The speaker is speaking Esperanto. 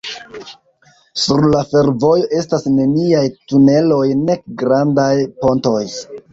Sur la fervojo estas neniaj tuneloj nek grandaj pontoj.